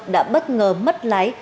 đã bất ngờ mất lái